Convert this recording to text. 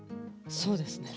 そうですね。